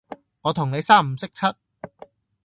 我同你三唔識七